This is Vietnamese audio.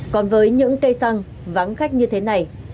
còn với những cây xăng vắng khách như thế này